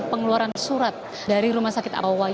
pengeluaran surat dari rumah sakit abdi waluyo